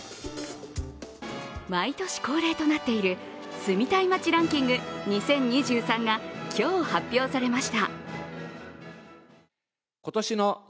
毎年恒例となっている住みたい町ランキング２０２３が今日発表されました。